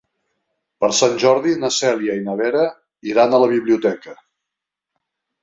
Per Sant Jordi na Cèlia i na Vera iran a la biblioteca.